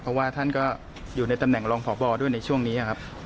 เพราะว่าท่านก็อยู่ในตำแหน่งรองพบด้วยในช่วงนี้ครับ